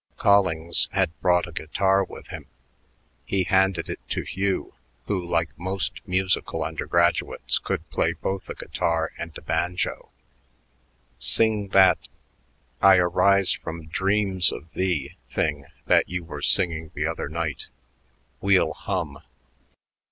Collings had brought a guitar with him. He handed it to Hugh, who, like most musical undergraduates, could play both a guitar and a banjo. "Sing that 'I arise from dreams of thee' thing that you were singing the other night. We'll hum."